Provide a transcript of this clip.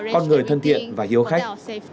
con người thân thiện và hiếu khách